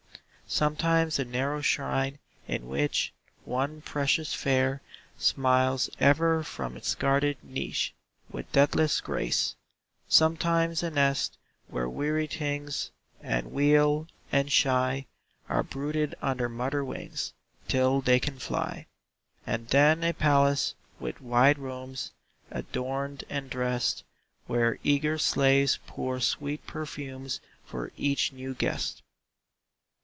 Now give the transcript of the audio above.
Sometimes a narrow shrine, in which One precious fare Smiles ever from its guarded niche, With deathless grace. Sometimes a nest, where weary things, And weal; and shy, Are brooded under mother wings Till they can fly. And then a palace, with wide rooms Adorned and dressed, Where eager slaves pour sweet perfumes For each new guest.